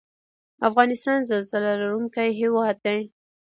افغانستان زلزله لرونکی هیواد دی